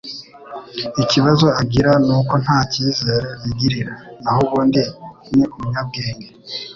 Ikibazo agira nuko ntacyizere yigiriria nahubundi ni umunyabwenge